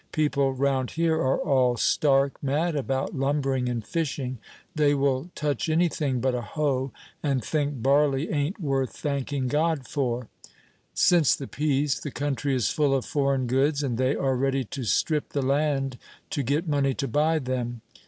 People round here are all stark mad about lumbering and fishing; they will touch anything but a hoe, and think barley ain't worth thanking God for. Since the peace, the country is full of foreign goods, and they are ready to strip the land to get money to buy them.